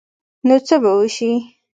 نو څه به وشي ؟